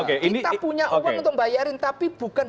kita punya uang untuk bayarin tapi bukan